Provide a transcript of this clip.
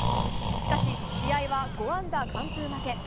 しかし試合は５安打完封負け。